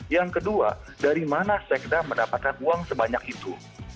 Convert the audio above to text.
yang kedua dari mana sekda mendapatkan uang sebanyak itu